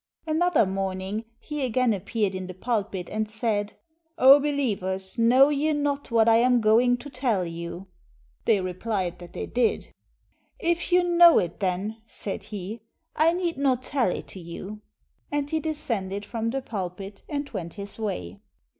Another morning he again appeared in the pulpit and said: — "0 believers, know ye not what I am going to tell you?" They repHed that they did. "If you know it, then," said he, "I need not tell it to you"; and he descended from the pulpit and went his way.